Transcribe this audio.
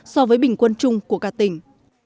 so với bình quân chung của cả tỉnh